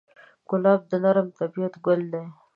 ګلاب د نرم طبعیت ګل دی.